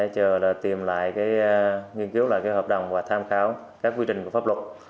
chờ tìm lại cái nghiên cứu lại hợp đồng và tham khảo các quy trình của pháp luật